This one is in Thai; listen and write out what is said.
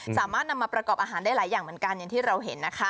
สามารถนำมาประกอบอาหารได้หลายอย่างเหมือนกันอย่างที่เราเห็นนะคะ